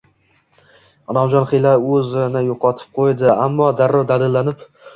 Inomjon xiyla o`zini yo`qotib qo`ydi, ammo darrov dadillanib